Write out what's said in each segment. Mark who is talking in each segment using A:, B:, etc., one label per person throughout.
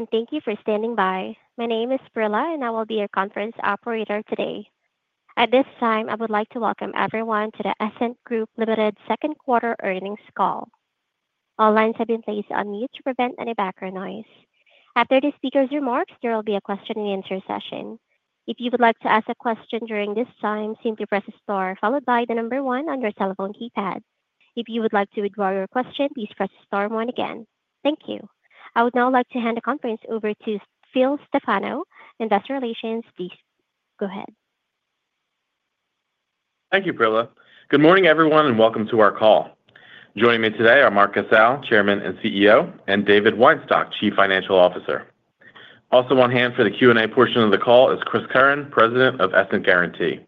A: Hello, and thank you for standing by. My name is Prilla, and I will be your conference operator today. At this time, I would like to welcome everyone to the Essent Group Ltd Second-Quarter Earnings Call. All lines have been placed on mute to prevent any background noise. After the speakers' remarks, there will be a question-and-answer session. If you would like to ask a question during this time, simply press the star followed by the number one on your telephone keypad. If you would like to withdraw your question, please press the star one again. Thank you. I would now like to hand the conference over to Phil Stefano, Investor Relations. Please go ahead.
B: Thank you, Prilla. Good morning, everyone, and welcome to our call. Joining me today are Mark Casale, Chairman and CEO, and David Weinstock, Chief Financial Officer. Also on hand for the Q&A portion of the call is Chris Curran, President of Essent Guaranty.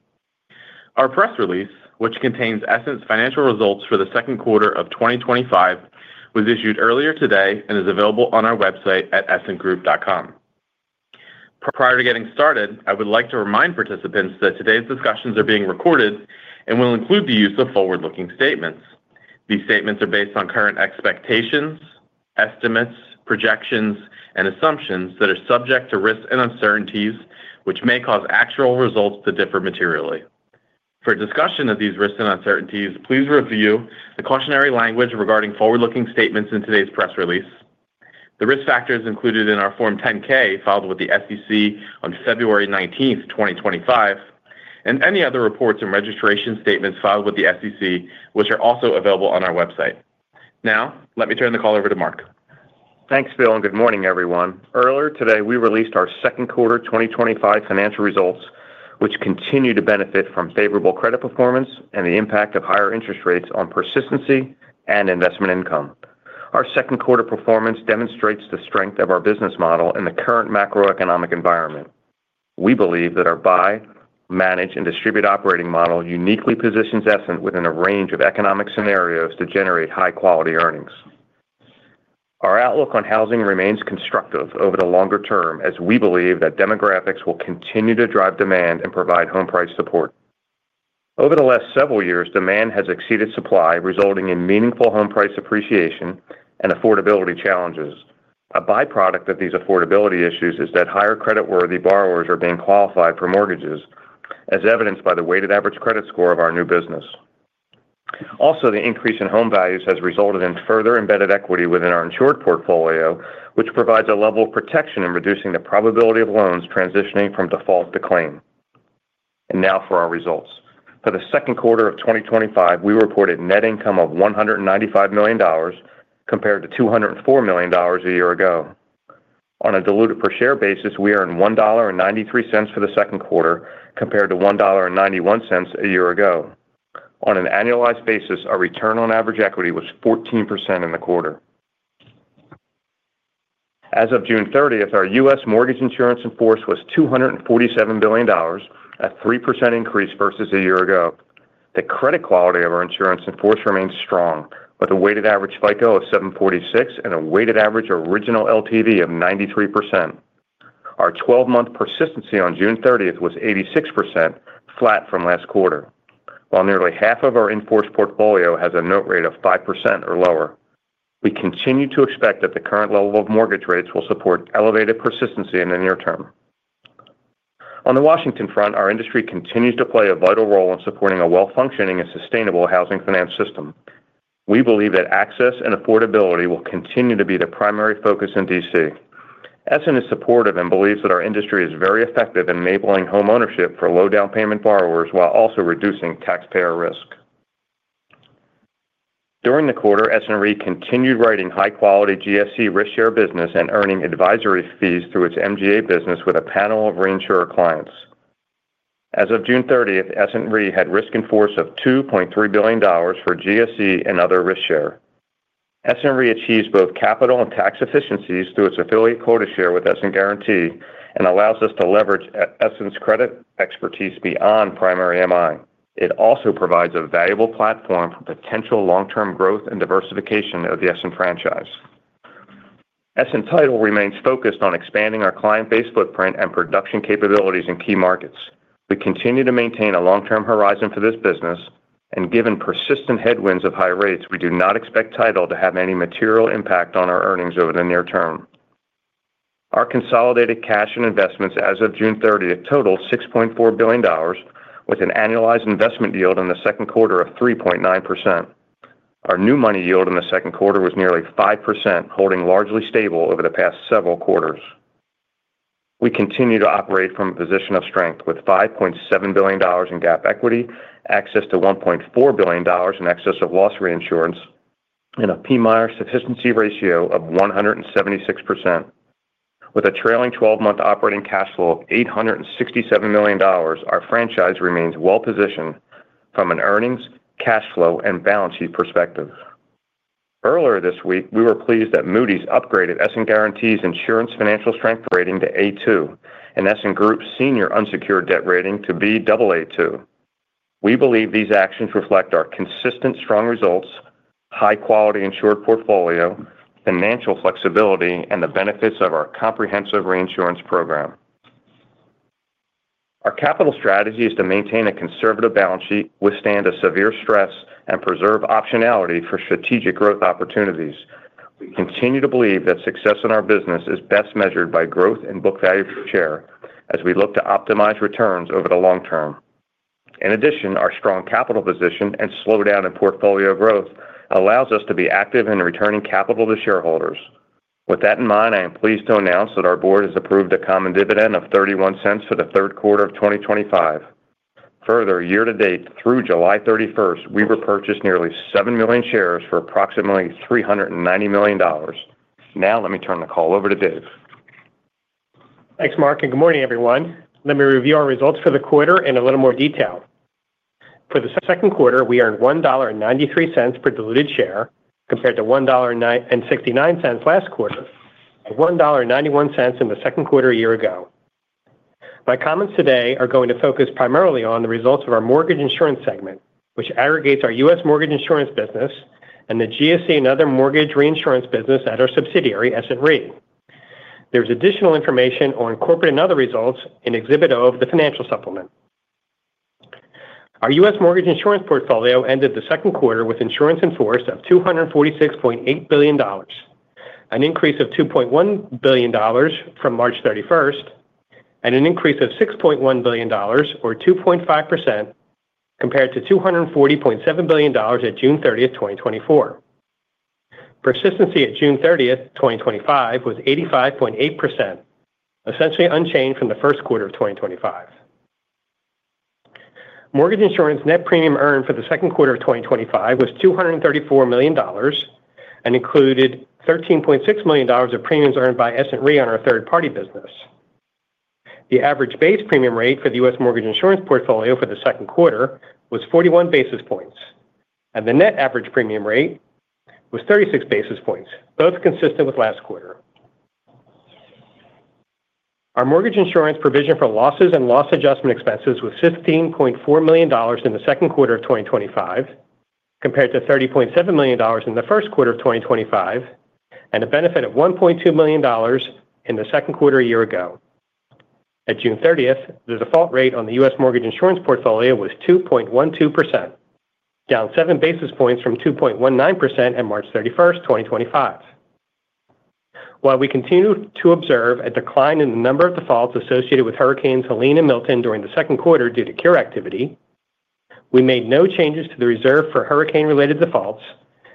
B: Our press release, which contains Essent's financial results for the second quarter of 2025, was issued earlier today and is available on our website at essentgroup.com. Prior to getting started, I would like to remind participants that today's discussions are being recorded and will include the use of forward-looking statements. These statements are based on current expectations, estimates, projections, and assumptions that are subject to risks and uncertainties, which may cause actual results to differ materially. For discussion of these risks and uncertainties, please review the cautionary language regarding forward-looking statements in today's press release, the risk factors included in our Form 10-K filed with the SEC on February 19th, 2025, and any other reports and registration statements filed with the SEC, which are also available on our website. Now, let me turn the call over to Mark.
C: Thanks, Phil, and good morning, everyone. Earlier today, we released our second-quarter 2025 financial results, which continue to benefit from favorable credit performance and the impact of higher interest rates on persistency and investment income. Our second-quarter performance demonstrates the strength of our business model in the current macroeconomic environment. We believe that our buy, manage, and distribute operating model uniquely positions Essent within a range of economic scenarios to generate high-quality earnings. Our outlook on housing remains constructive over the longer term, as we believe that demographics will continue to drive demand and provide home price support. Over the last several years, demand has exceeded supply, resulting in meaningful home price appreciation and affordability challenges. A byproduct of these affordability issues is that higher creditworthy borrowers are being qualified for mortgages, as evidenced by the weighted average credit score of our new business. Also, the increase in home values has resulted in further embedded equity within our insured portfolio, which provides a level of protection in reducing the probability of loans transitioning from default to claim. Now for our results. For the second quarter of 2025, we reported a net income of $195 million compared to $204 million a year ago. On a diluted per share basis, we are at $1.93 for the second quarter compared to $1.91 a year ago. On an annualized basis, our return on average equity was 14% in the quarter. As of June 30th, our U.S. mortgage insurance in force was $247 billion, a 3% increase versus a year ago. The credit quality of our insurance in force remains strong, with a weighted average FICO score of 746 and a weighted average original LTV of 93%. Our 12-month persistency on June 30th was 86%, flat from last quarter, while nearly half of our in force portfolio has a note rate of 5% or lower. We continue to expect that the current level of mortgage rates will support elevated persistency in the near term. On the Washington front, our industry continues to play a vital role in supporting a well-functioning and sustainable housing finance system. We believe that access and affordability will continue to be the primary focus in D.C. Essent is supportive and believes that our industry is very effective in enabling homeownership for low-down payment borrowers while also reducing taxpayer risk. During the quarter, Essent Re continued writing high-quality GSE risk share business and earning advisory fees through its MGA business with a panel of reinsurer clients. As of June 30th, Essent Re had risk in force of $2.3 billion for GSE and other risk share. Essent Re achieves both capital and tax efficiencies through its affiliate quota share with Essent Guaranty and allows us to leverage Essent's credit expertise beyond primary MI. It also provides a valuable platform for potential long-term growth and diversification of the Essent franchise. Essent Title remains focused on expanding our client base, footprint, and production capabilities in key markets. We continue to maintain a long-term horizon for this business, and given persistent headwinds of high rates, we do not expect Title to have any material impact on our earnings over the near term. Our consolidated cash and investments as of June 30th total $6.4 billion, with an annualized investment yield in the second quarter of 3.9%. Our new money yield in the second quarter was nearly 5%, holding largely stable over the past several quarters. We continue to operate from a position of strength, with $5.7 billion in GAAP equity, access to $1.4 billion in excess of loss reinsurance, and a PMIERs sufficiency ratio of 176%. With a trailing 12-month operating cash flow of $867 million, our franchise remains well-positioned from an earnings, cash flow, and balance sheet perspective. Earlier this week, we were pleased that Moody’s upgraded Essent Guaranty’s insurance financial strength rating to A2 and Essent Group Ltd.’s senior unsecured debt rating to Baa2. We believe these actions reflect our consistent, strong results, high-quality insured portfolio, financial flexibility, and the benefits of our comprehensive reinsurance program. Our capital strategy is to maintain a conservative balance sheet, withstand a severe stress, and preserve optionality for strategic growth opportunities. We continue to believe that success in our business is best measured by growth in book value per share as we look to optimize returns over the long term. In addition, our strong capital position and slowdown in portfolio growth allow us to be active in returning capital to shareholders. With that in mind, I am pleased to announce that our board has approved a common dividend of $0.31 for the third quarter of 2025. Further, year to date, through July 31st, we repurchased nearly 7 million shares for approximately $390 million. Now, let me turn the call over to Dave.
D: Thanks, Mark, and good morning, everyone. Let me review our results for the quarter in a little more detail. For the second quarter, we earned $1.93 per diluted share compared to $1.69 last quarter, $1.91 in the second quarter a year ago. My comments today are going to focus primarily on the results of our mortgage insurance segment, which aggregates our U.S. mortgage insurance business and the GSE and other mortgage reinsurance business at our subsidiary, Essent Re. There's additional information on corporate and other results in Exhibit O of the financial supplement. Our U.S. mortgage insurance portfolio ended the second quarter with insurance in force of $246.8 billion, an increase of $2.1 billion from March 31st, and an increase of $6.1 billion, or 2.5%, compared to $240.7 billion at June 30th, 2024. Persistency at June 30th, 2025, was 85.8%, essentially unchanged from the first quarter of 2025. Mortgage insurance net premium earned for the second quarter of 2025 was $234 million and included $13.6 million of premiums earned by Essent Re on our third-party business. The average base premium rate for the U.S. mortgage insurance portfolio for the second quarter was 41 basis points, and the net average premium rate was 36 basis points, both consistent with last quarter. Our mortgage insurance provision for losses and loss adjustment expenses was $15.4 million in the second quarter of 2025, compared to $30.7 million in the first quarter of 2025, and a benefit of $1.2 million in the second quarter a year ago. At June 30, the default rate on the U.S. mortgage insurance portfolio was 2.12%, down 7 basis points from 2.19% on March 31, 2025. While we continue to observe a decline in the number of defaults associated with hurricanes Helene and Milton during the second quarter due to cure activity, we made no changes to the reserve for hurricane-related defaults,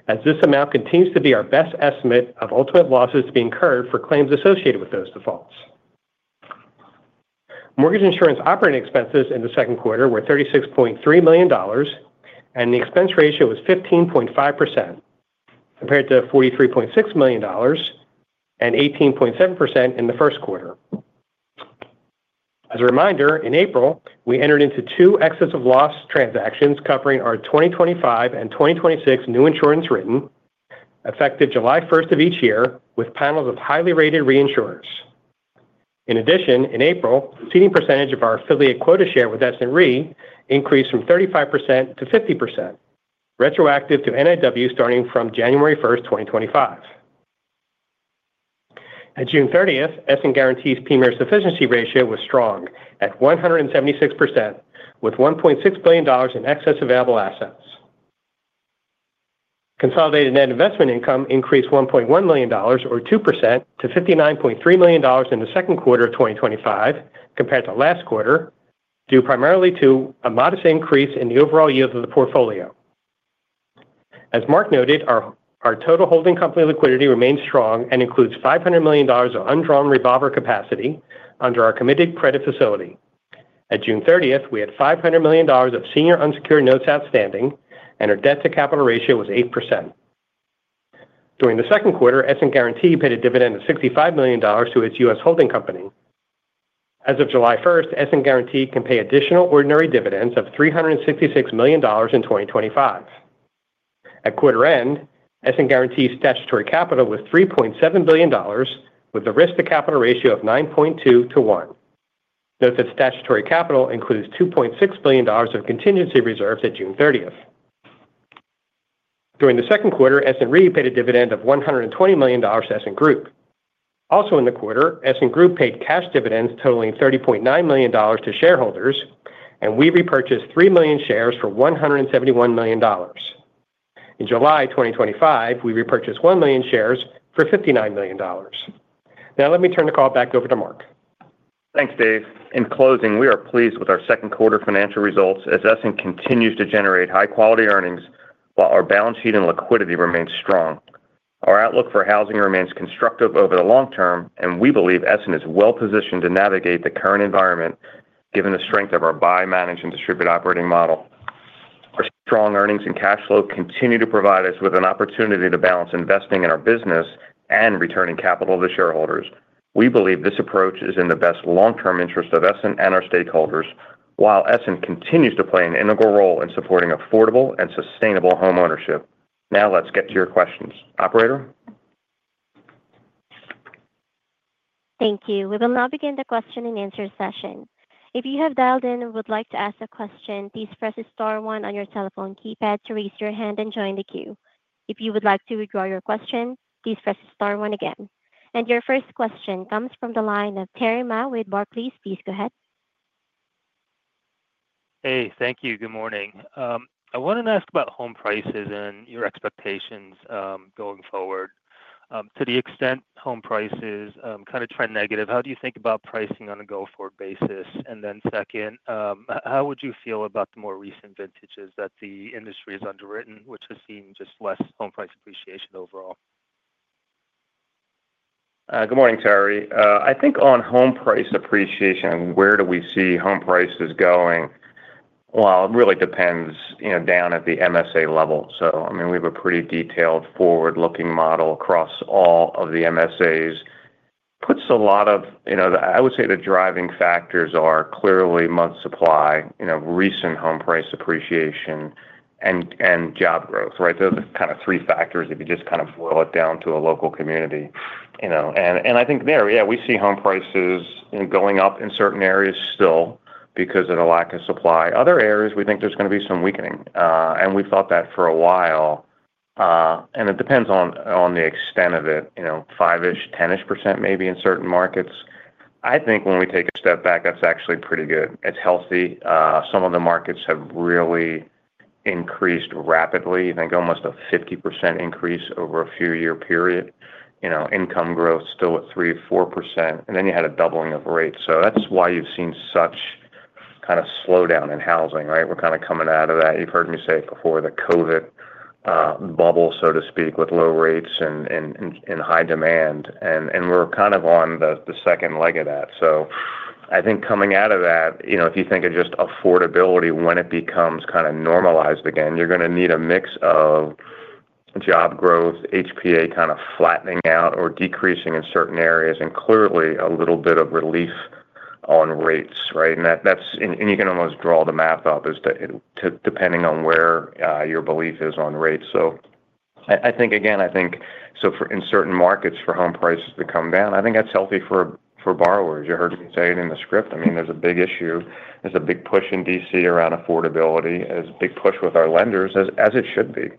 D: as this amount continues to be our best estimate of ultimate losses being incurred for claims associated with those defaults. Mortgage insurance operating expenses in the second quarter were $36.3 million, and the expense ratio was 15.5%, compared to $43.6 million and 18.7% in the first quarter. As a reminder, in April, we entered into two excess of loss transactions covering our 2025 and 2026 new insurance written, effective July 1st of each year, with panels of highly rated reinsurers. In addition, in April, the ceding percentage of our affiliate quota share with Essent Re increased from 35%-50%, retroactive to NIW starting from January 1st, 2025. At June 30th, Essent Guaranty's PMIER sufficiency ratio was strong at 176%, with $1.6 billion in excess of available assets. Consolidated net investment income increased $1.1 million, or 2%, to $59.3 million in the second quarter of 2025, compared to last quarter, due primarily to a modest increase in the overall yield of the portfolio. As Mark noted, our total holding company liquidity remains strong and includes $500 million of undrawn revolver capacity under our committed credit facility. At June 30th, we had $500 million of senior unsecured notes outstanding, and our debt-to-capital ratio was 8%. During the second quarter, Essent Guaranty paid a dividend of $65 million to its U.S. holding company. As of July 1st, Essent Guaranty can pay additional ordinary dividends of $366 million in 2025. At quarter end, Essent Guaranty's statutory capital was $3.7 billion, with a risk-to-capital ratio of 9.2:1. Note that statutory capital includes $2.6 billion of contingency reserves at June 30th. During the second quarter, Essent Re paid a dividend of $120 million to Essent Group. Also in the quarter, Essent Group paid cash dividends totaling $30.9 million to shareholders, and we repurchased 3 million shares for $171 million. In July 2025, we repurchased 1 million shares for $59 million. Now, let me turn the call back over to Mark.
C: Thanks, Dave. In closing, we are pleased with our second-quarter financial results as Essent continues to generate high-quality earnings, while our balance sheet and liquidity remain strong. Our outlook for housing remains constructive over the long term, and we believe Essent is well-positioned to navigate the current environment, given the strength of our buy, manage, and distribute operating model. Our strong earnings and cash flow continue to provide us with an opportunity to balance investing in our business and returning capital to shareholders. We believe this approach is in the best long-term interest of Essent and our stakeholders, while Essent continues to play an integral role in supporting affordable and sustainable homeownership. Now, let's get to your questions. Operator.
A: Thank you. We will now begin the question-and-answer session. If you have dialed in and would like to ask a question, please press the star one on your telephone keypad to raise your hand and join the queue. If you would like to withdraw your question, please press the star one again. Your first question comes from the line of Terry Ma with Barclays. Please go ahead.
E: Thank you. Good morning. I wanted to ask about home prices and your expectations going forward. To the extent home prices kind of trend negative, how do you think about pricing on a go-forward basis? How would you feel about the more recent vintages that the industry has underwritten, which has seen just less home price appreciation overall?
C: Good morning, Terry. I think on home price appreciation, where do we see home prices going? It really depends, you know, down at the MSA level. I mean, we have a pretty detailed forward-looking model across all of the MSAs. It puts a lot of, you know, I would say the driving factors are clearly month supply, recent home price appreciation, and job growth, right? They're the kind of three factors if you just kind of boil it down to a local community, you know. I think there, yeah, we see home prices going up in certain areas still because of the lack of supply. Other areas, we think there's going to be some weakening. We've thought that for a while. It depends on the extent of it, you know, 5%, 10% maybe in certain markets. I think when we take a step back, that's actually pretty good. It's healthy. Some of the markets have really increased rapidly. I think almost a 50% increase over a few-year period. You know, income growth still at 3%, 4%. Then you had a doubling of rates. That's why you've seen such kind of slowdown in housing, right? We're kind of coming out of that. You've heard me say it before, the COVID bubble, so to speak, with low rates and high demand. We're kind of on the second leg of that. I think coming out of that, you know, if you think of just affordability when it becomes kind of normalized again, you're going to need a mix of job growth, HPA kind of flattening out or decreasing in certain areas, and clearly a little bit of relief on rates, right? You can almost draw the math up as to depending on where your belief is on rates. I think, again, I think for in certain markets for home prices to come down, I think that's healthy for borrowers. You heard me say it in the script. There's a big issue. There's a big push in D.C. around affordability. There's a big push with our lenders, as it should be.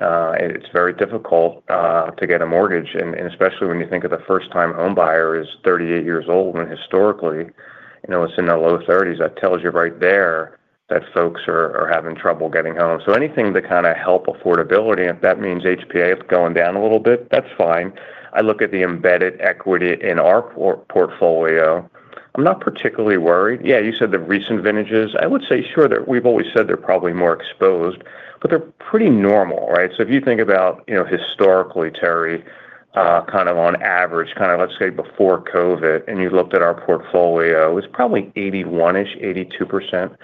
C: It's very difficult to get a mortgage, and especially when you think of the first-time home buyer is 38 years old, when historically, you know, it's in the low 30s. That tells you right there that folks are having trouble getting home. Anything to kind of help affordability, if that means HPA is going down a little bit, that's fine. I look at the embedded equity in our portfolio. I'm not particularly worried. Yeah, you said the recent vintages. I would say sure that we've always said they're probably more exposed, but they're pretty normal, right? If you think about, historically, Terry, kind of on average, let's say before COVID, and you looked at our portfolio, it was probably 81%, 82%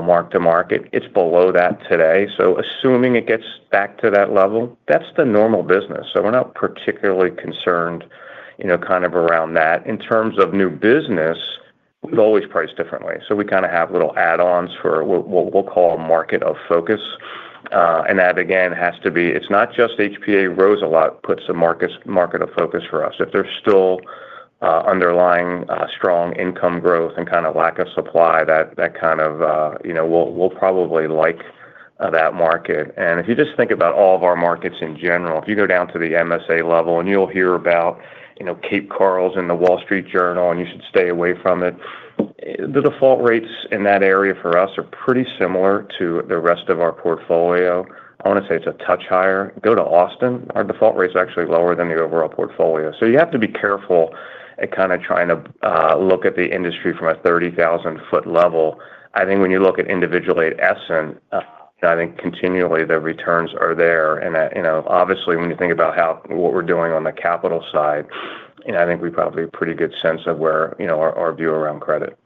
C: mark to market. It's below that today. Assuming it gets back to that level, that's the normal business. We're not particularly concerned around that. In terms of new business, we've always priced differently. We kind of have little add-ons for what we'll call a market of focus. That, again, has to be, it's not just HPA rose a lot, puts a market of focus for us. If there's still underlying strong income growth and kind of lack of supply, that kind of, we'll probably like that market. If you just think about all of our markets in general, if you go down to the MSA level, and you'll hear about Cape Coral's in the Wall Street Journal, and you should stay away from it. The default rates in that area for us are pretty similar to the rest of our portfolio. I want to say it's a touch higher. Go to Austin, our default rates are actually lower than the overall portfolio. You have to be careful at trying to look at the industry from a 30,000-foot level. I think when you look individually at Essent, I think continually the returns are there. Obviously, when you think about what we're doing on the capital side, I think we probably have a pretty good sense of where our view around credit.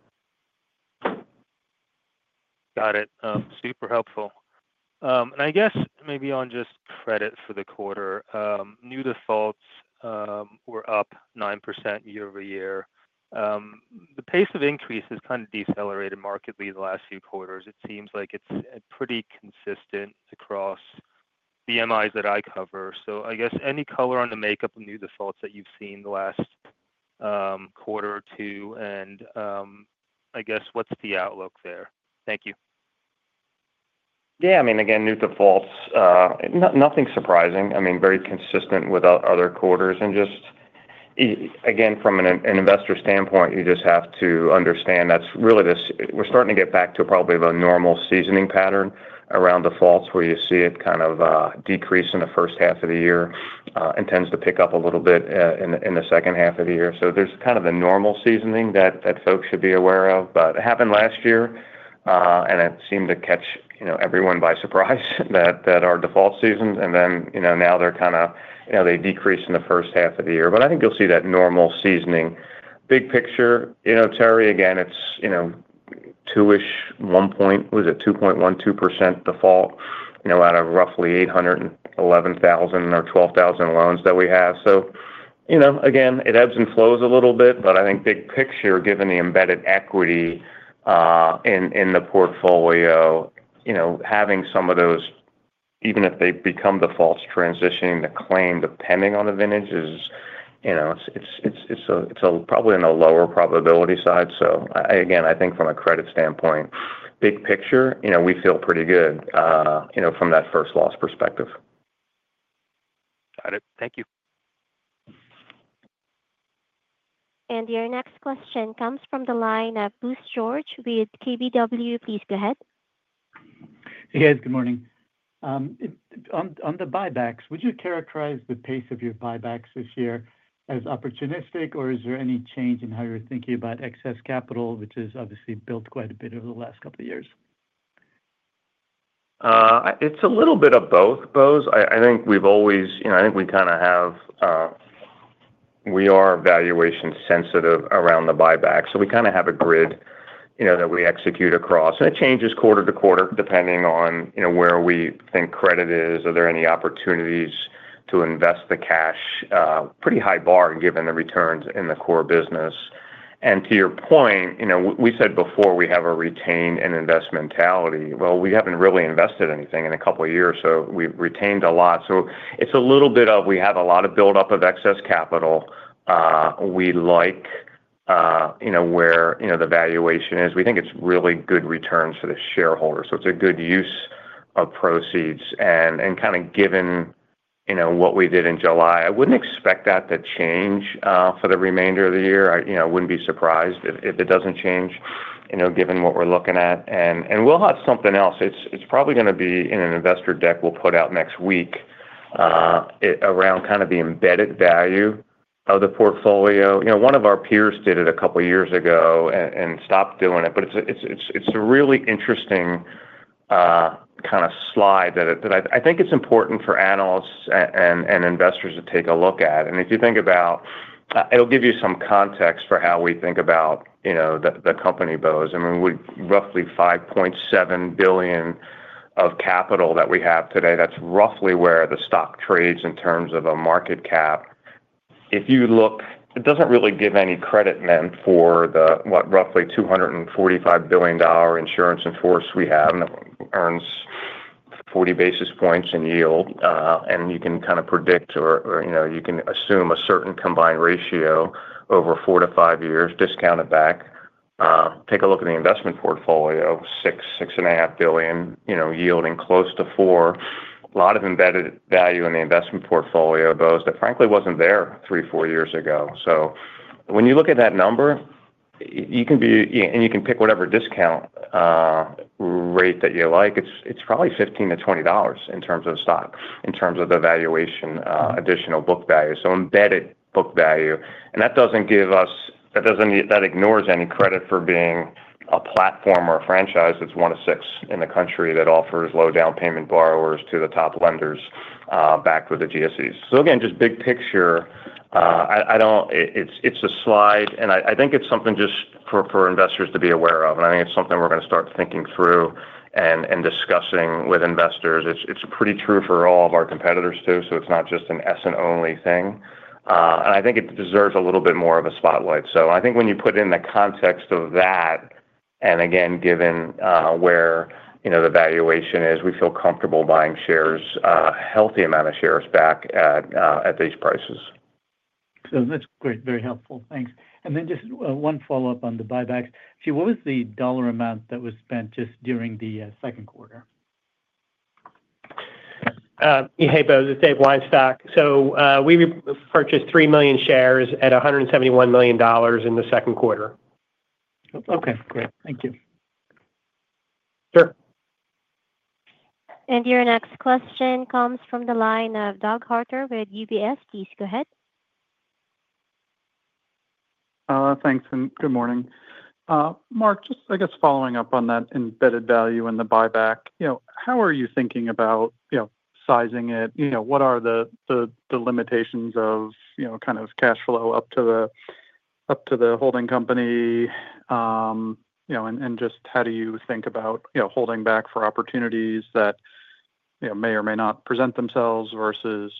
E: Got it. Super helpful. I guess maybe on just credit for the quarter, new defaults were up 9% year-over-year. The pace of increase has kind of decelerated markedly the last few quarters. It seems like it's pretty consistent across the MIs that I cover. I guess any color on the makeup of new defaults that you've seen the last quarter or two, and what's the outlook there? Thank you.
C: Yeah, I mean, again, new defaults, nothing surprising. I mean, very consistent with other quarters. From an investor standpoint, you just have to understand that's really this, we're starting to get back to probably the normal seasoning pattern around defaults where you see it kind of decrease in the first half of the year and tends to pick up a little bit in the second half of the year. There's kind of the normal seasoning that folks should be aware of. It happened last year, and it seemed to catch everyone by surprise that our default seasoned. Now they're kind of, you know, they decrease in the first half of the year. I think you'll see that normal seasoning. Big picture, you know, Terry, again, it's, you know, 2-ish, 1 point, was it 2.12% default, you know, out of roughly 811,000 or 12,000 loans that we have. It ebbs and flows a little bit, but I think big picture, given the embedded equity in the portfolio, you know, having some of those, even if they become defaults, transitioning to claim depending on the vintage is, you know, it's probably in the lower probability side. I think from a credit standpoint, big picture, you know, we feel pretty good, you know, from that first loss perspective.
E: Got it. Thank you.
A: Your next question comes from the line of Bose George with KBW. Please go ahead.
F: Hey. Good morning. On the buybacks, would you characterize the pace of your buybacks this year as opportunistic, or is there any change in how you're thinking about excess capital, which has obviously built quite a bit over the last couple of years?
C: It's a little bit of both, Bose. I think we've always, you know, I think we kind of have, we are valuation sensitive around the buyback. We kind of have a grid, you know, that we execute across. It changes quarter to quarter depending on, you know, where we think credit is. Are there any opportunities to invest the cash? Pretty high bar given the returns in the core business. To your point, you know, we said before we have a retain and invest mentality. We haven't really invested anything in a couple of years, so we've retained a lot. It's a little bit of, we have a lot of buildup of excess capital. We like, you know, where, you know, the valuation is. We think it's really good returns for the shareholders. It's a good use of proceeds. Given, you know, what we did in July, I wouldn't expect that to change for the remainder of the year. I wouldn't be surprised if it doesn't change, you know, given what we're looking at. We'll have something else. It's probably going to be in an investor deck we'll put out next week around kind of the embedded value of the portfolio. One of our peers did it a couple of years ago and stopped doing it. It's a really interesting kind of slide that I think it's important for analysts and investors to take a look at. If you think about it, it'll give you some context for how we think about, you know, the company, Bose. I mean, we're roughly $5.7 billion of capital that we have today. That's roughly where the stock trades in terms of a market cap. If you look, it doesn't really give any credit then for the, what, roughly $245 billion insurance in force we have that earns 40 basis points in yield. You can kind of predict, or you know, you can assume a certain combined ratio over four to five years discounted back. Take a look at the investment portfolio, $6 billion, $6.5 billion, you know, yielding close to 4%. A lot of embedded value in the investment portfolio, Bose, that frankly wasn't there three, four years ago. When you look at that number, you can be, and you can pick whatever discount rate that you like. It's probably $15 to $20 in terms of the stock, in terms of the valuation, additional book value. Embedded book value. That doesn't give us, that doesn't, that ignores any credit for being a platform or a franchise that's one of six in the country that offers low-down payment borrowers to the top lenders backed with the GSEs. Just big picture, I don't, it's a slide. I think it's something just for investors to be aware of. I think it's something we're going to start thinking through and discussing with investors. It's pretty true for all of our competitors too. It's not just an Essent-only thing. I think it deserves a little bit more of a spotlight. I think when you put in the context of that, and again, given where, you know, the valuation is, we feel comfortable buying shares, a healthy amount of shares back at these prices.
F: That's great, very helpful. Thanks. Just one follow-up on the buybacks. What was the dollar amount that was spent just during the second quarter?
D: Hey, Bose. It's David Weinstock. We purchased 3 million shares at $171 million in the second quarter.
F: Okay, great. Thank you. Sure.
A: Your next question comes from the line of Doug Harter with UBS. Please go ahead.
G: Thanks, and good morning. Mark, just following up on that embedded value and the buyback, how are you thinking about sizing it? What are the limitations of cash flow up to the holding company? How do you think about holding back for opportunities that may or may not present themselves versus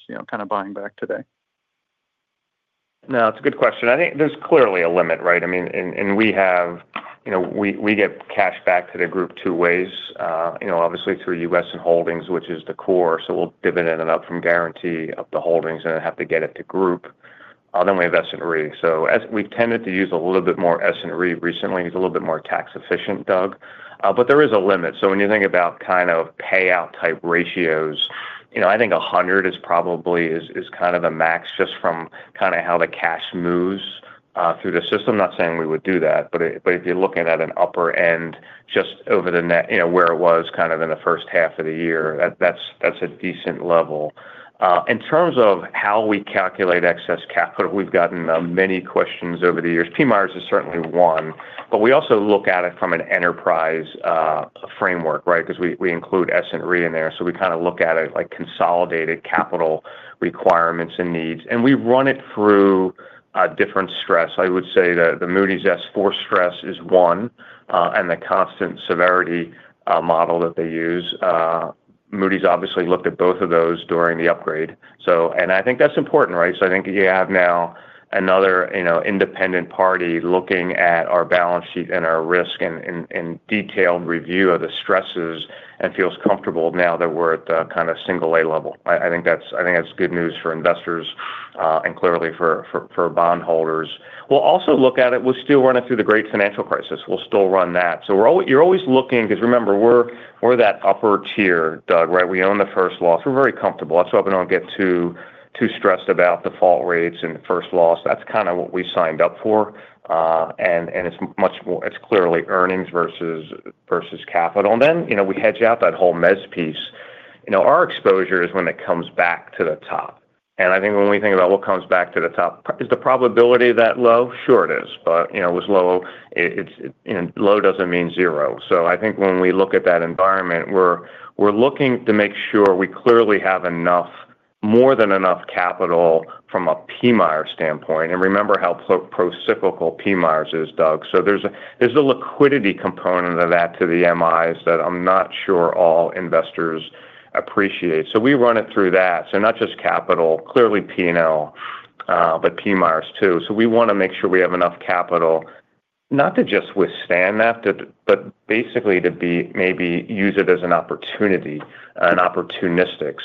G: buying back today?
C: No, it's a good question. I think there's clearly a limit, right? I mean, we get cash back to the group two ways. Obviously through U.S. and Holdings, which is the core. We will dividend it up from Guaranty up to Holdings, and then have to get it to Group. Then we invest in Re. We've tended to use a little bit more Essent Re recently. It's a little bit more tax-efficient, Doug. There is a limit. When you think about kind of payout type ratios, I think 100% is probably kind of a max just from how the cash moves through the system. Not saying we would do that, but if you're looking at an upper end just over the net, where it was kind of in the first half of the year, that's a decent level. In terms of how we calculate excess capital, we've gotten many questions over the years. PMIER is certainly one, but we also look at it from an enterprise framework, right? Because we include Essent Re in there. We kind of look at it like consolidated capital requirements and needs. We run it through different stress. I would say the Moody’s S4 stress is one, and the constant severity model that they use. Moody’s obviously looked at both of those during the upgrade. I think that's important, right? I think you have now another independent party looking at our balance sheet and our risk and detailed review of the stresses and feels comfortable now that we're at the kind of single A level. I think that's good news for investors and clearly for bond holders. We'll also look at it. We'll still run it through the great financial crisis. We'll still run that. You're always looking, because remember, we're that upper tier, Doug, right? We own the first loss. We're very comfortable. That's why we don't get too stressed about default rates and first loss. That's kind of what we signed up for. It's much more, it's clearly earnings versus capital. Then, we hedge out that whole MEZ piece. Our exposure is when it comes back to the top. I think when we think about what comes back to the top, is the probability that low? Sure, it is. It was low. Low doesn't mean zero. I think when we look at that environment, we're looking to make sure we clearly have enough, more than enough capital from a PMIER standpoint. Remember how pro-cyclical PMIER is, Doug. There is a liquidity component of that to the MIs that I'm not sure all investors appreciate. We run it through that, not just capital, clearly P&L, but PMIRs too. We want to make sure we have enough capital, not to just withstand that, but basically to maybe use it as an opportunity, an opportunistic.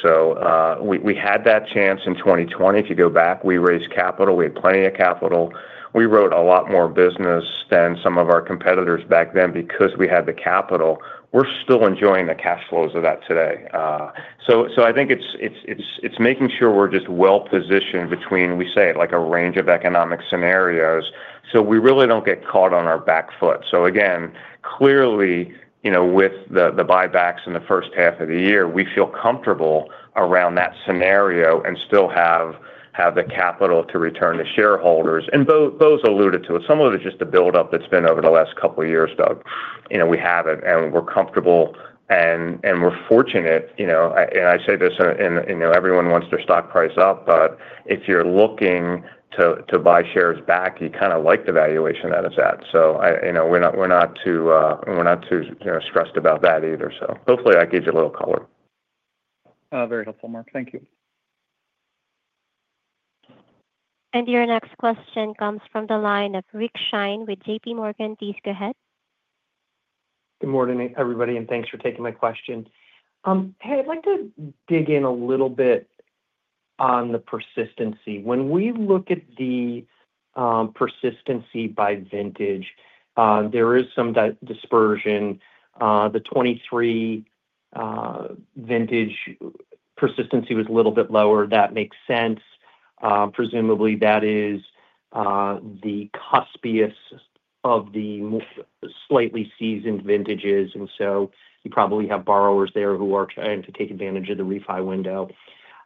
C: We had that chance in 2020. If you go back, we raised capital. We had plenty of capital. We wrote a lot more business than some of our competitors back then because we had the capital. We're still enjoying the cash flows of that today. I think it's making sure we're just well-positioned between, we say it, like a range of economic scenarios. We really don't get caught on our back foot. Again, clearly, you know, with the buybacks in the first half of the year, we feel comfortable around that scenario and still have the capital to return to shareholders. Bose alluded to it. Some of it is just the buildup that's been over the last couple of years, Doug. We have it and we're comfortable and we're fortunate. I say this, and everyone wants their stock price up, but if you're looking to buy shares back, you kind of like the valuation that it's at. We're not too, we're not too stressed about that either. Hopefully that gives you a little color.
G: Very helpful, Mark. Thank you.
A: Your next question comes from the line of Rick Shane with JPMorgan. Please go ahead.
H: Good morning, everybody, and thanks for taking the question. Hey, I'd like to dig in a little bit on the persistency. When we look at the persistency by vintage, there is some dispersion. The 2023 vintage persistency was a little bit lower. That makes sense. Presumably, that is the cuspiest of the slightly seasoned vintages. You probably have borrowers there who are trying to take advantage of the refi window.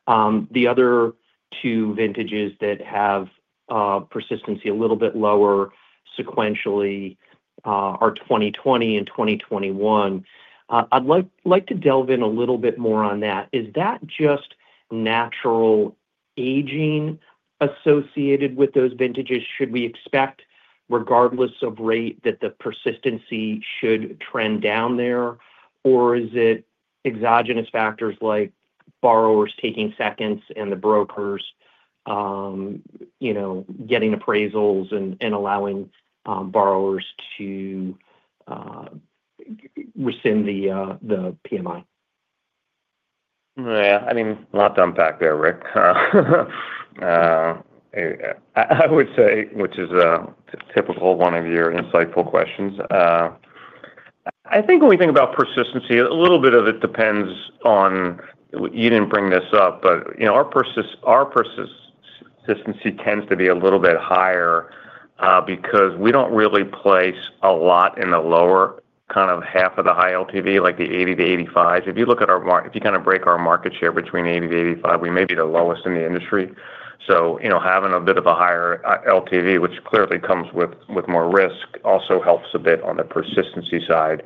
H: The other two vintages that have persistency a little bit lower sequentially are 2020 and 2021. I'd like to delve in a little bit more on that. Is that just natural aging associated with those vintages? Should we expect, regardless of rate, that the persistency should trend down there, or is it exogenous factors like borrowers taking seconds and the brokers, you know, getting appraisals and allowing borrowers to rescind the private mortgage insurance?
C: Yeah, I mean, a lot to unpack there, Rick. I would say, which is a typical one of your insightful questions. I think when we think about persistency, a little bit of it depends on, you didn't bring this up, but our persistency tends to be a little bit higher because we don't really place a lot in the lower kind of half of the high LTV, like the 80%-85%s. If you look at our market, if you kind of break our market share between 80%-85%, we may be the lowest in the industry. Having a bit of a higher LTV, which clearly comes with more risk, also helps a bit on the persistency side.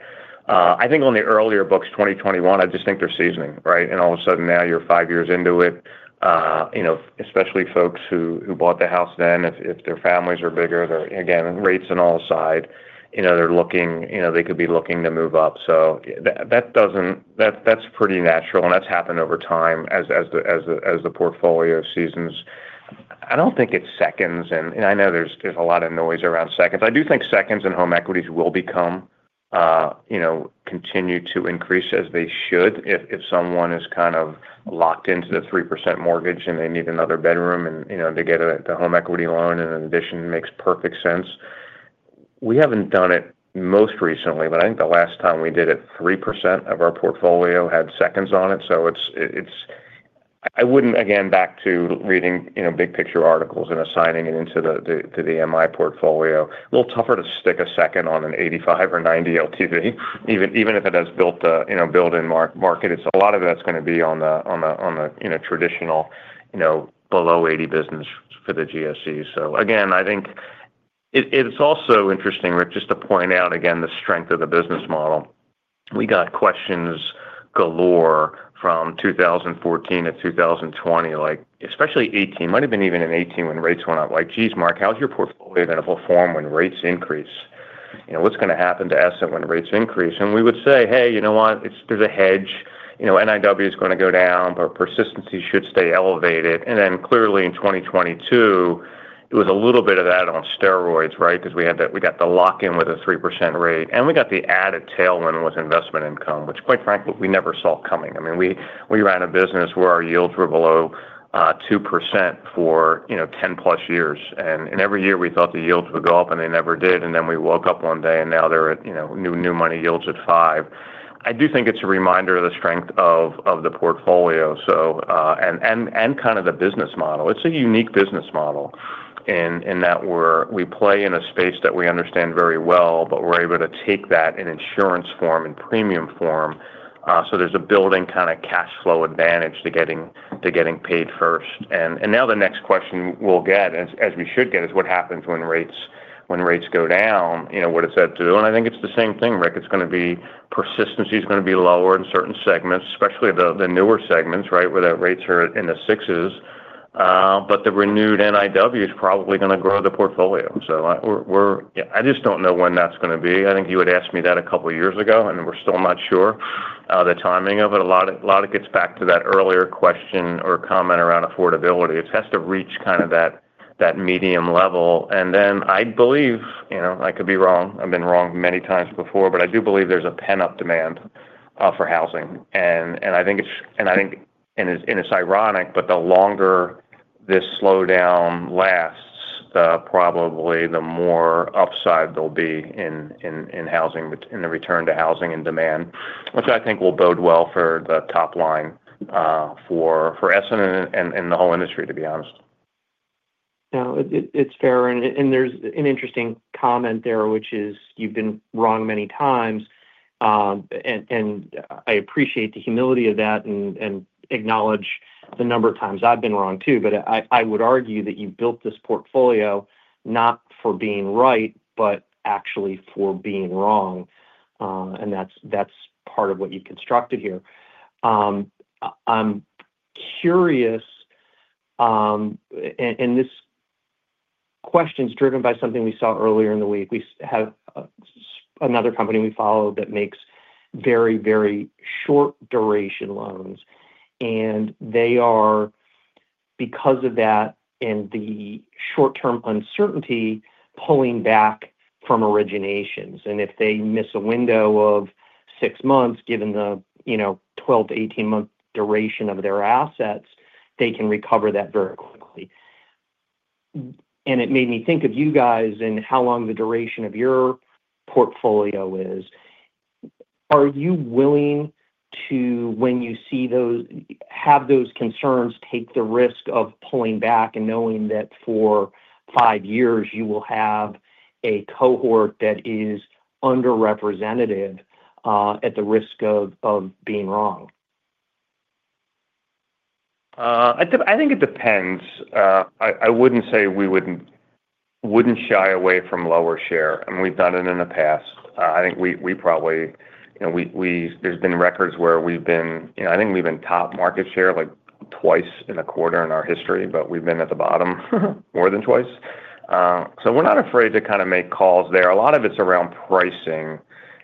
C: I think on the earlier books, 2021, I just think they're seasoning, right? All of a sudden now you're five years into it. Especially folks who bought the house then, if their families are bigger, they're, again, rates on all sides, they're looking, they could be looking to move up. That doesn't, that's pretty natural, and that's happened over time as the portfolio seasons. I don't think it's seconds, and I know there's a lot of noise around seconds. I do think seconds in home equities will become, continue to increase as they should if someone is kind of locked into the 3% mortgage and they need another bedroom and to get the home equity loan in addition makes perfect sense. We haven't done it most recently, but I think the last time we did it, 3% of our portfolio had seconds on it. I wouldn't, again, back to reading, big picture articles and assigning it into the MI portfolio. A little tougher to stick a second on an 85% or 90% LTV, even if it has built the, built-in market. A lot of that's going to be on the traditional, below 80% business for the GSE. I think it's also interesting, Rick, just to point out, again, the strength of the business model. We got questions galore from 2014 to 2020, like especially 2018. Might have been even in 2018 when rates went up. Like, geez, Mark, how's your portfolio going to perform when rates increase? What's going to happen to Essent when rates increase? We would say, hey, you know what, there's a hedge. NIW is going to go down, but persistency should stay elevated. Clearly in 2022, it was a little bit of that on steroids, right? Because we had that, we got the lock-in with a 3% rate, and we got the added tailwind with investment income, which quite frankly we never saw coming. I mean, we ran a business where our yields were below 2% for, you know, 10+ years. Every year we thought the yields would go up, and they never did. Then we woke up one day, and now they're at, you know, new money yields at 5%. I do think it's a reminder of the strength of the portfolio and kind of the business model. It's a unique business model in that we play in a space that we understand very well, but we're able to take that in insurance form and premium form. There's a building kind of cash flow advantage to getting paid first. The next question we'll get, as we should get, is what happens when rates go down? You know, what does that do? I think it's the same thing, Rick. It's going to be, persistency is going to be lower in certain segments, especially the newer segments, right, where the rates are in the sixes. The renewed NIW is probably going to grow the portfolio. I just don't know when that's going to be. I think you would ask me that a couple of years ago, and we're still not sure the timing of it. A lot of it gets back to that earlier question or comment around affordability. It has to reach kind of that medium level. I believe, you know, I could be wrong. I've been wrong many times before, but I do believe there's a pent-up demand for housing. I think it's, and I think, and it's ironic, but the longer this slowdown lasts, probably the more upside there'll be in housing, in the return to housing and demand, which I think will bode well for the top line for Essent and the whole industry, to be honest.
H: Yeah, it's fair. There's an interesting comment there, which is you've been wrong many times. I appreciate the humility of that and acknowledge the number of times I've been wrong too. I would argue that you built this portfolio not for being right, but actually for being wrong. That's part of what you constructed here. I'm curious, this question is driven by something we saw earlier in the week. We have another company we follow that makes very, very short duration loans. They are, because of that and the short-term uncertainty, pulling back from originations. If they miss a window of six months, given the 12 month-18 month duration of their assets, they can recover that very quickly. It made me think of you guys and how long the duration of your portfolio is. Are you willing to, when you see those, have those concerns, take the risk of pulling back and knowing that for five years you will have a cohort that is underrepresented at the risk of being wrong?
C: I think it depends. I wouldn't say we wouldn't shy away from lower share, and we've done it in the past. I think we probably, you know, there's been records where we've been, you know, I think we've been top market share like twice in a quarter in our history, but we've been at the bottom more than twice. We're not afraid to kind of make calls there. A lot of it's around pricing.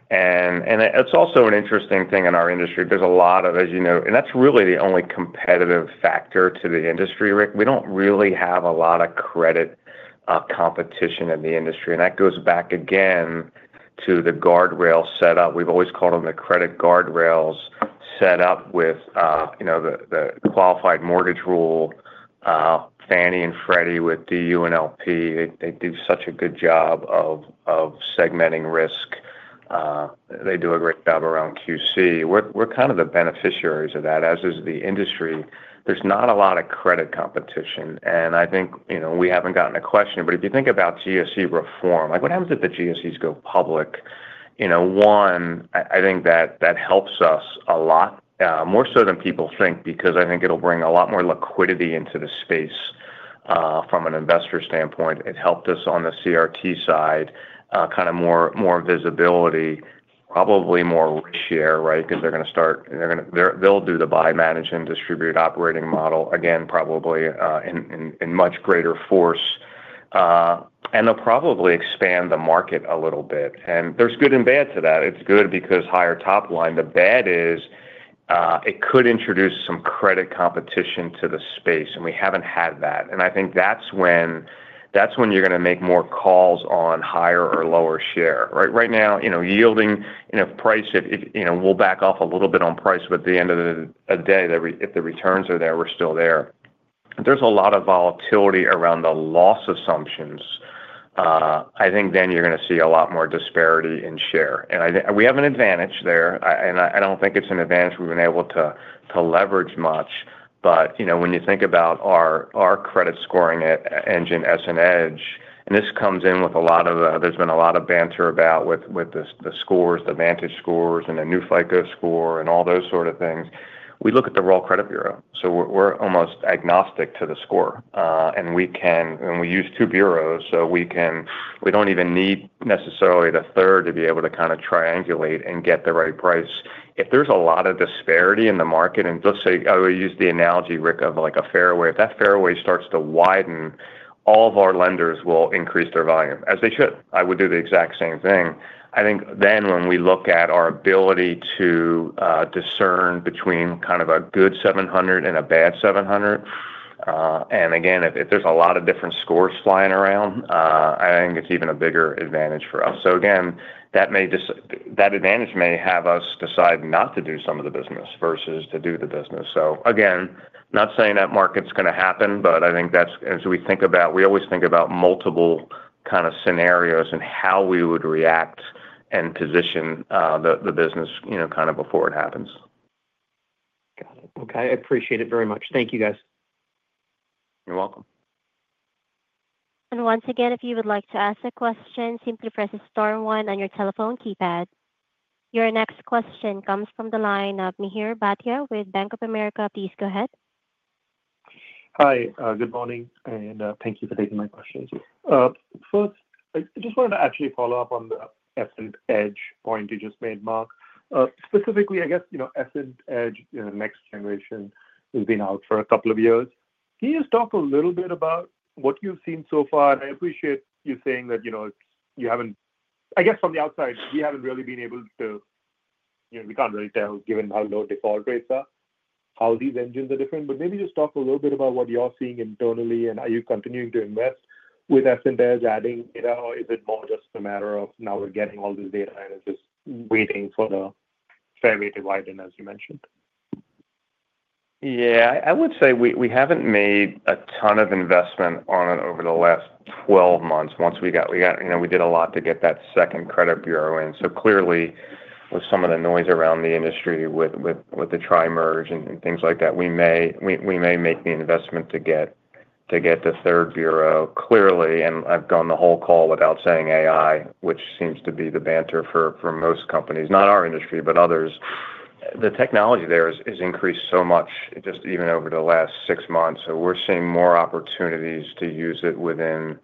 C: It's also an interesting thing in our industry. There's a lot of, as you know, and that's really the only competitive factor to the industry, Rick. We don't really have a lot of credit competition in the industry. That goes back again to the guardrail setup. We've always called them the credit guardrails set up with, you know, the qualified mortgage rule. Fannie and Freddie with DU and LP, they do such a good job of segmenting risk. They do a great job around QC. We're kind of the beneficiaries of that, as is the industry. There's not a lot of credit competition. I think, you know, we haven't gotten a question, but if you think about GSE reform, like what happens if the GSEs go public? One, I think that that helps us a lot, more so than people think, because I think it'll bring a lot more liquidity into the space from an investor standpoint. It helped us on the CRT side, kind of more visibility, probably more share, right? Because they're going to start, they'll do the buy, manage, and distribute operating model, again, probably in much greater force. They'll probably expand the market a little bit. There's good and bad to that. It's good because higher top line. The bad is it could introduce some credit competition to the space, and we haven't had that. I think that's when you're going to make more calls on higher or lower share, right? Right now, you know, yielding, you know, price, if, you know, we'll back off a little bit on price, but at the end of the day, if the returns are there, we're still there. There's a lot of volatility around the loss assumptions. I think then you're going to see a lot more disparity in share. We have an advantage there. I don't think it's an advantage we've been able to leverage much. When you think about our credit scoring engine, EssentEDGE, and this comes in with a lot of, there's been a lot of banter about with the scores, the Vantage scores, and the new FICO score, and all those sort of things. We look at the rural credit bureau. We're almost agnostic to the score. We can, and we use two bureaus. We don't even need necessarily the third to be able to triangulate and get the right price. If there's a lot of disparity in the market, I would use the analogy, Rick, of like a fairway. If that fairway starts to widen, all of our lenders will increase their volume, as they should. I would do the exact same thing. I think when we look at our ability to discern between kind of a good 700 and a bad 700, if there's a lot of different scores flying around, I think it's even a bigger advantage for us. That advantage may have us decide not to do some of the business versus to do the business. Not saying that market's going to happen, but as we think about it, we always think about multiple scenarios and how we would react and position the business before it happens.
H: Okay, I appreciate it very much. Thank you, guys.
C: You're welcome.
A: If you would like to ask a question, simply press the star one on your telephone keypad. Your next question comes from the line of Mihir Bhatia with Bank of America. Please go ahead.
I: Hi, good morning, and thank you for taking my questions. First, I just wanted to actually follow up on the EssentEDGE point you just made, Mark. Specifically, I guess, you know, EssentEDGE, you know, next generation has been out for a couple of years. Can you just talk a little bit about what you've seen so far? I appreciate you saying that, you know, you haven't, I guess from the outside, we haven't really been able to, you know, we can't really tell, given how low default rates are, how these engines are different. Maybe just talk a little bit about what you're seeing internally, and are you continuing to invest with EssentEDGE adding, you know, or is it more just a matter of now we're getting all this data and it's just waiting for the fairway to widen as you mentioned?
C: I would say we haven't made a ton of investment on it over the last 12 months. Once we got, you know, we did a lot to get that second credit bureau in. Clearly, with some of the noise around the industry with the tri-merge and things like that, we may make the investment to get the third bureau. I've gone the whole call without saying AI, which seems to be the banter for most companies, not our industry, but others. The technology there has increased so much, just even over the last six months. We're seeing more opportunities to use it within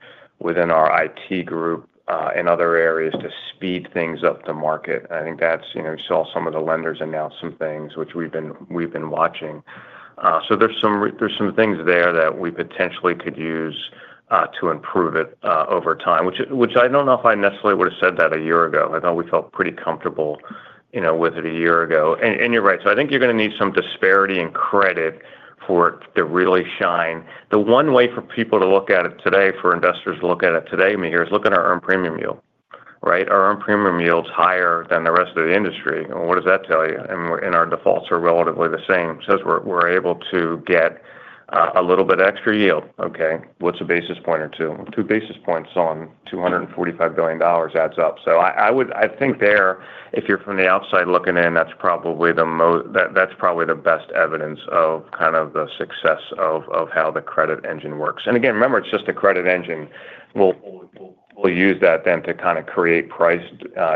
C: our IT group in other areas to speed things up the market. I think that's, you know, you saw some of the lenders announce some things, which we've been watching. There are some things there that we potentially could use to improve it over time, which I don't know if I necessarily would have said that a year ago. I thought we felt pretty comfortable with it a year ago. You're right. I think you're going to need some disparity in credit for it to really shine. The one way for people to look at it today, for investors to look at it today, Mihir, is look at our earned premium yield, right? Our earned premium yield's higher than the rest of the industry. What does that tell you? Our defaults are relatively the same. We're able to get a little bit extra yield. What's a basis point or two? Two basis points on $245 billion adds up. I think if you're from the outside looking in, that's probably the best evidence of the success of how the credit engine works. Again, remember, it's just a credit engine. We'll use that then to create price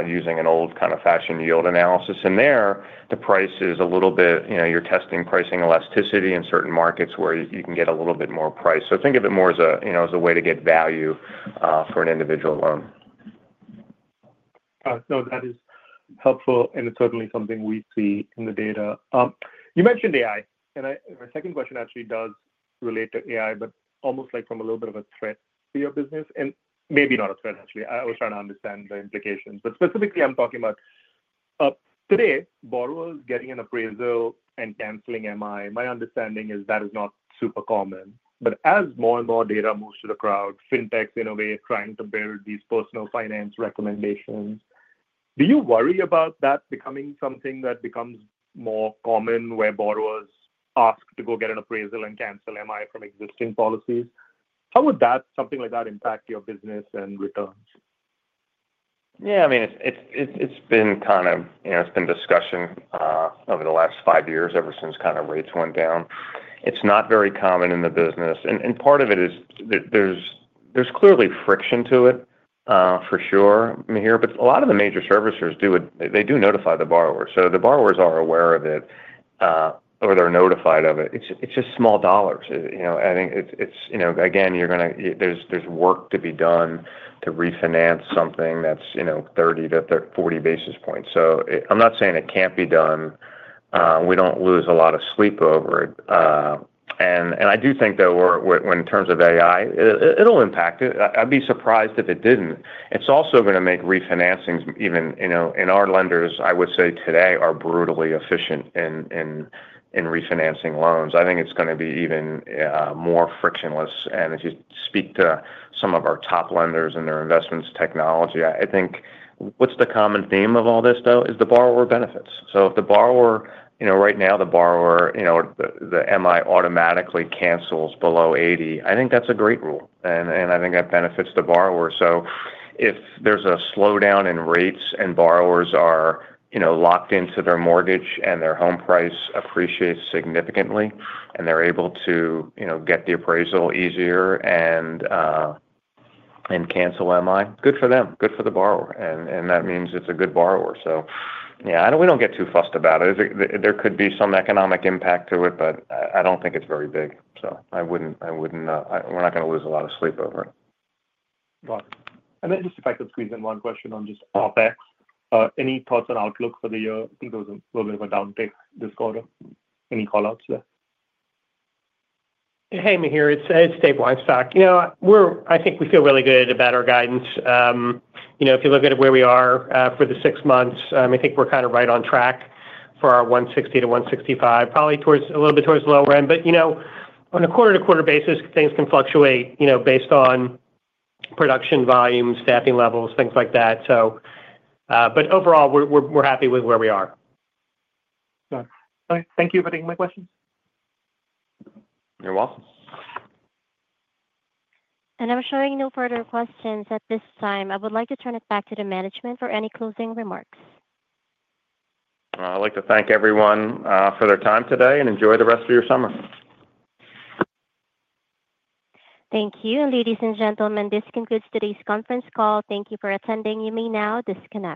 C: using an old fashioned yield analysis. There, the price is a little bit, you're testing pricing elasticity in certain markets where you can get a little bit more price. Think of it more as a way to get value for an individual loan.
I: No, that is helpful. It is certainly something we see in the data. You mentioned AI. My second question actually does relate to AI, but almost like from a little bit of a threat to your business. Maybe not a threat, actually. I was trying to understand the implications. Specifically, I'm talking about today, borrowers getting an appraisal and canceling MI. My understanding is that is not super common. As more and more data moves to the crowd, fintechs in a way are trying to build these personal finance recommendations. Do you worry about that becoming something that becomes more common where borrowers ask to go get an appraisal and cancel MI from existing policies? How would that, something like that, impact your business and returns?
C: Yeah, I mean, it's been kind of, you know, it's been discussion over the last five years, ever since kind of rates went down. It's not very common in the business. Part of it is that there's clearly friction to it, for sure, Mihir. A lot of the major servicers do notify the borrowers, so the borrowers are aware of it, or they're notified of it. It's just small dollars. I think it's, you know, again, you're going to, there's work to be done to refinance something that's, you know, 30 basis points-40 basis points. I'm not saying it can't be done. We don't lose a lot of sleep over it. I do think, though, in terms of AI, it'll impact it. I'd be surprised if it didn't. It's also going to make refinancings, even, you know, in our lenders, I would say today are brutally efficient in refinancing loans. I think it's going to be even more frictionless. If you speak to some of our top lenders and their investments in technology, I think what's the common theme of all this, though, is the borrower benefits. If the borrower, you know, right now the borrower, you know, the MI automatically cancels below 80%, I think that's a great rule. I think that benefits the borrower. If there's a slowdown in rates and borrowers are, you know, locked into their mortgage and their home price appreciates significantly, and they're able to, you know, get the appraisal easier and cancel MI, good for them, good for the borrower. That means it's a good borrower. Yeah, I know we don't get too fussed about it. There could be some economic impact to it, but I don't think it's very big. I wouldn't, we're not going to lose a lot of sleep over it.
I: If I could squeeze in one question on just ARPA. Any thoughts on outlook for the year? I think there was a little bit of a downtick this quarter. Any callouts there?
D: Hey, Mihir. It's David Weinstock. I think we feel really good about our guidance. If you look at where we are for the six months, I think we're kind of right on track for our $160 million-$165 million, probably a little bit towards the lower end. On a quarter-to-quarter basis, things can fluctuate based on production volumes, staffing levels, things like that. Overall, we're happy with where we are.
I: Got it. Thank you for taking my question.
C: You're welcome.
A: I am showing no further questions at this time. I would like to turn it back to the management for any closing remarks.
C: I'd like to thank everyone for their time today and enjoy the rest of your summer.
A: Thank you. Ladies and gentlemen, this concludes today's conference call. Thank you for attending. You may now disconnect.